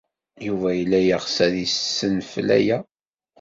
Yuba yella yeɣs ad yessenfel aya.